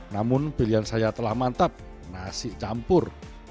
namun pilihan saya telah mantap nasi campur